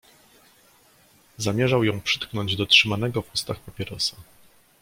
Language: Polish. "Zamierzał ją przytknąć do trzymanego w ustach papierosa."